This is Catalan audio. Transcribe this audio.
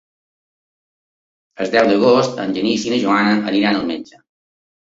El deu d'agost en Genís i na Joana aniran al metge.